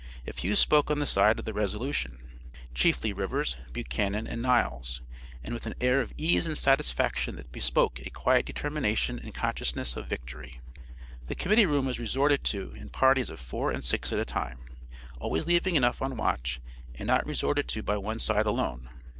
A few spoke on the side of the resolution, chiefly Rivers, Buchanan and Niles, and with an air of ease and satisfaction that bespoke a quiet determination and consciousness of victory. The committee room was resorted to in parties of four and six at a time, always leaving enough on watch, and not resorted to by one side alone.